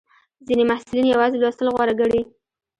ځینې محصلین یوازې لوستل غوره ګڼي.